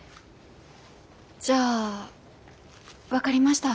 じゃあ分かりました。